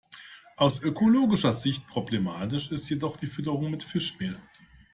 Aus ökologischer Sicht problematisch ist jedoch die Fütterung mit Fischmehl.